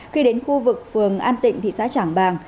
khi đến khu vực phường an tịnh thị xã trảng bàng